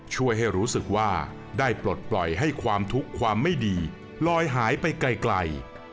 ช่วยให้รู้สึกว่าได้ปลดปล่อยให้ความทุกข์ความไม่ดีลอยหายไปไกล